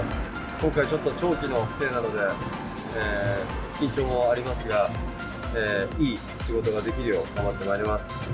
今回、ちょっと長期のステイなので、緊張もありますが、いい仕事ができるよう、頑張ってまいります。